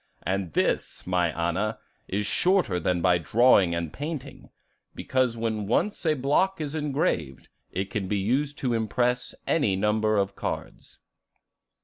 And this, my Anna, is shorter than by drawing and painting, because when once a block is engraved, it can be used to impress any number of cards."